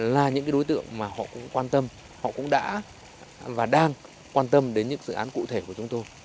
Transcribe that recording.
là những đối tượng mà họ cũng quan tâm họ cũng đã và đang quan tâm đến những dự án cụ thể của chúng tôi